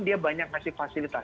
dia banyak ngasih fasilitas